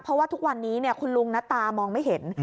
เพราะว่าทุกวันนี้คุณลุงนะตามองไม่เห็น